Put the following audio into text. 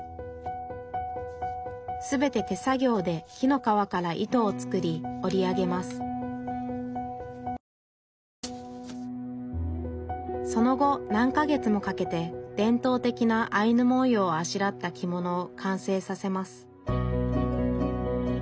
全て手作業で木の皮から糸を作り織り上げますその後何か月もかけて伝統的なアイヌ文様をあしらった着物を完成させます